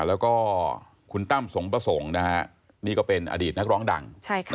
แล้วก็คุณตั้มสงประสงค์นะฮะนี่ก็เป็นอดีตนักร้องดัง